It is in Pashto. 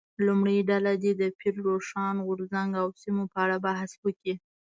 لومړۍ ډله دې د پیر روښان غورځنګ او سیمو په اړه بحث وکړي.